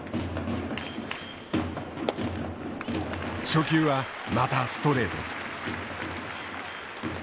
初球はまたストレート。